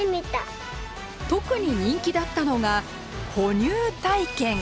特に人気だったのがほ乳体験。